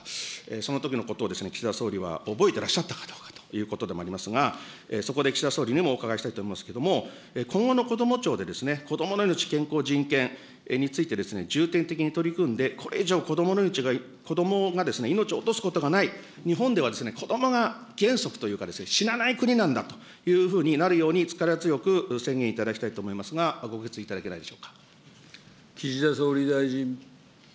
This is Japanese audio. そのときのことを岸田総理は覚えてらっしゃったかどうかということでありますが、そこで岸田総理にもお伺いしたいと思いますけれども、今後のこども庁で、子どもの命、健康、人権について、重点的に取り組んで、これ以上、子どもの命が、子どもが命を落とすことがない、日本では子どもが原則というか、死なない国なんだというふうになるように力強く宣言いただきたいと思いますが、ご決意いただけないでしょうか。